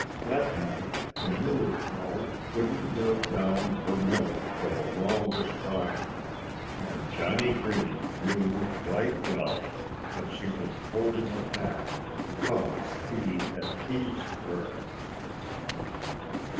That night the Muley Cow wouldn't give down her milk for the longest time. And Johnnie Green knew right well that she was holding it back because he had teased her.